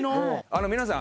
皆さん